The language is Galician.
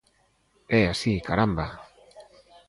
¡É así, caramba!